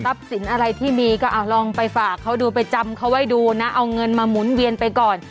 สินอะไรที่มีก็เอาลองไปฝากเขาดูไปจำเขาไว้ดูนะเอาเงินมาหมุนเวียนไปก่อน